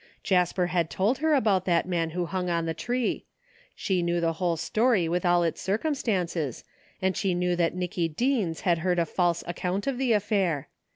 Jasper had told her about that man who hung on the tree. She knew the whole story with 156 THE FINDING OF JASPER HOLT all its circumstances, and she knew that Nicky Deens had heard a false account of the affair.